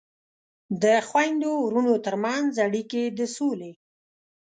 د خویندو ورونو ترمنځ اړیکې د سولې